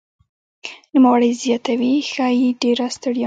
نوموړی زیاتوي "ښايي ډېره ستړیا